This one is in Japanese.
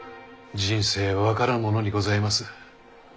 人生分からぬものにございます。